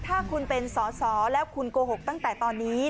ถ้าคุณเป็นสอสอแล้วคุณโกหกตั้งแต่ตอนนี้